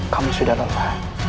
kamu sudah lupa